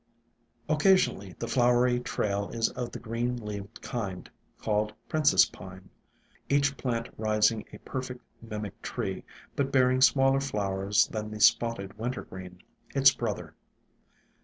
Occasionally the flowery trail is of the green leaved kind called Prince's Pine, each plant rising a perfect mimic tree, but bearing smaller flowers than the Spotted Wintergreen, its brother.